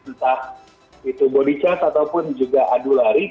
entah itu body charge ataupun juga adu lari